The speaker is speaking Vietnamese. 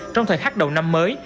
trong thời khắc đầu năm mới